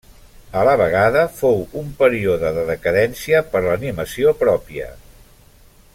A la vegada fou un període de decadència per a l'animació pròpia.